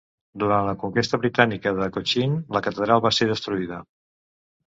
Durant la conquesta britànica de Cochin, la catedral va ser destruïda.